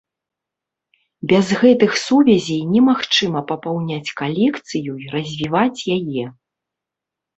Без гэтых сувязей немагчыма папаўняць калекцыю і развіваць яе.